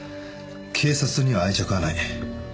警察には愛着はない。